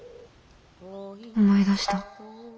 思い出した。